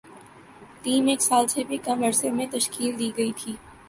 team ایک سال سے بھی کم عرصے میں تشکیل دی گئی تھی